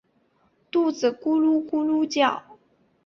肚子咕噜咕噜叫